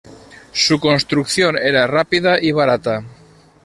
Su construcción era rápida y barata.